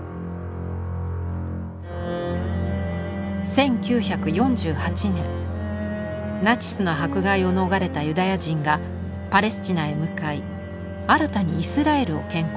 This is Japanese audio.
１９４８年ナチスの迫害を逃れたユダヤ人がパレスチナへ向かい新たにイスラエルを建国。